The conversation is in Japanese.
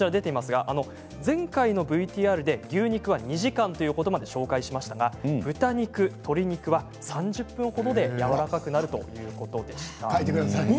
前回のＶＴＲで牛肉は２時間ということで紹介しましたが豚肉、鶏肉は３０分程でやわらかくなるということでした。